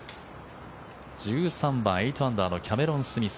１３番、８アンダーのキャメロン・スミス。